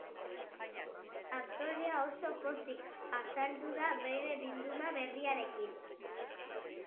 Aktorea oso pozik azaldu da bere bilduma berriarekin.